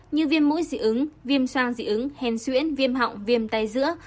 như viêm mũi dị ứng viêm soang dị ứng hèn xuyễn viêm họng viêm tay giữa